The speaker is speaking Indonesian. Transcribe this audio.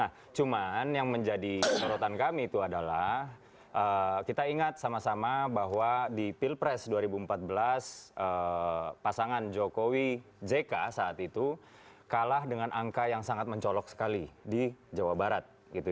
nah cuman yang menjadi sorotan kami itu adalah kita ingat sama sama bahwa di pilpres dua ribu empat belas pasangan jokowi jk saat itu kalah dengan angka yang sangat mencolok sekali di jawa barat